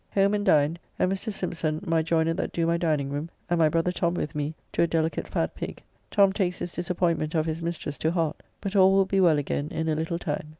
Home and dined, and Mr. Sympson, my joyner that do my diningroom, and my brother Tom with me to a delicate fat pig. Tom takes his disappointment of his mistress to heart; but all will be well again in a little time.